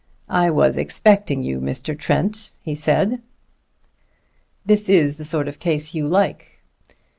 "I was expecting you, Mr. Trent," he said. "This is the sort of case that you like."